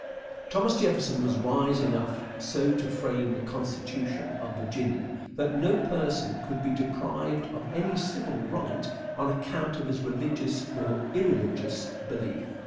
Thomas Jefferson was wise enough so to frame the Constitution of Virginia that no person could be deprived of any civil right on account of his religious or irreligious belief.